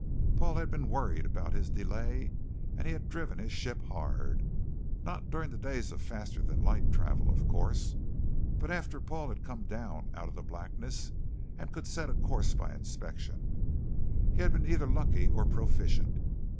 Paul had been worried about his delay and he had driven his ship hard. Not during the days of faster than light travel, of course, but after Paul had come down out of the blackness and could set a course by inspection. He had been either lucky or proficient.